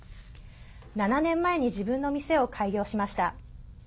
７年前に自分の店を開業しました。